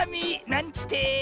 なんちて。